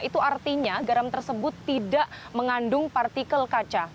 itu artinya garam tersebut tidak mengandung partikel kaca